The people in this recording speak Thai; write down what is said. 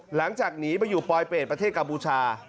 หลังจากหนีไปอยู่ปลอยเป็ดประเทศกัมพูชา